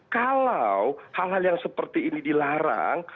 kalau hal hal yang seperti ini dilarang